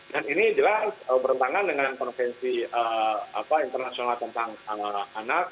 dan ini jelas berentangan dengan konvensi internasional tentang anak